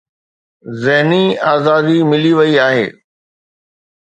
ذهني آزادي ملي وئي آهي.